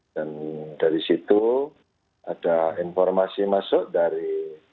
dan dari situ ada informasi masuk dari